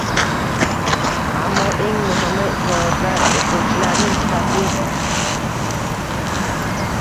Ammo, eng muhimi, islohotlar o‘quvchilarning sifatli